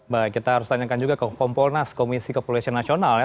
baik kita harus tanyakan juga ke kompolnas komisi kepolisian nasional ya